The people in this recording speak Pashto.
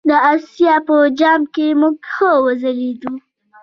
د آسیا په جام کې موږ ښه وځلیدو.